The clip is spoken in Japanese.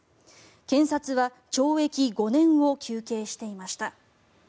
検察は懲役５年を求刑していました。